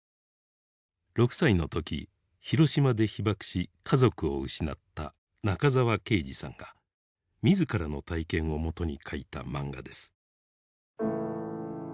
６歳の時広島で被爆し家族を失った中沢啓治さんが自らの体験をもとに描いた漫画です。